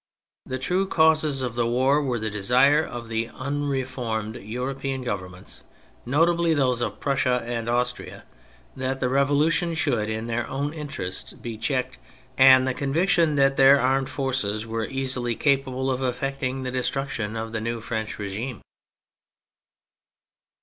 The true causes of the war were the desire of the unre formed European Governments (notably those of Prussia and Austria) that the Revolution should, in their ovv^n interests, be checked, and the conviction that their armed forces were easily capable of effecting the destruction of the new French regime.